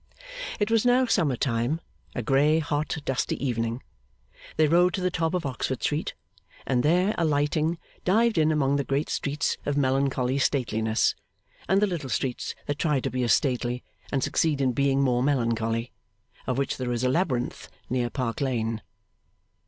It was now summer time; a grey, hot, dusty evening. They rode to the top of Oxford Street, and there alighting, dived in among the great streets of melancholy stateliness, and the little streets that try to be as stately and succeed in being more melancholy, of which there is a labyrinth near Park Lane.